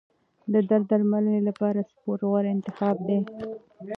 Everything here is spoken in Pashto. د درد درملنې لپاره سپورت غوره انتخاب دی.